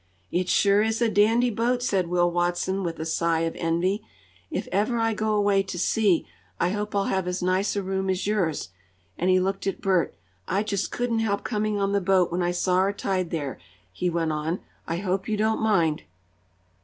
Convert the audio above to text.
"It sure is a dandy boat!" said Will Watson with a sigh of envy. "If ever I go away to sea, I hope I'll have as nice a room as yours," and he looked at Bert. "I just couldn't help coming on the boat when I saw her tied here," he went on. "I hope you didn't mind."